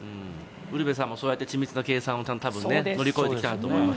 ウルヴェさんもそうやって緻密な計算で乗り越えてこられたんだと思います。